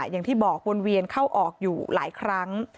อย่างที่บอกวนเวียนเข้าออกอยู่หลายครั้ง